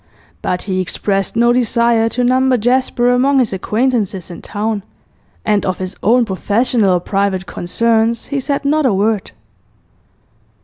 But he expressed no desire to number Jasper among his acquaintances in town, and of his own professional or private concerns he said not a word.